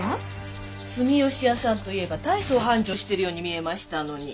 住吉屋さんといえば大層繁盛しているように見えましたのに。